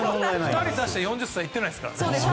２人足して４０歳いってないですから。